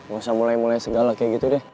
gak usah mulai mulai segala kayak gitu deh